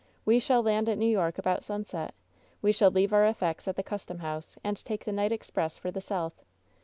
We shall land at New York about sunset. We shall leave our effects at the custom house and take the night express for the South.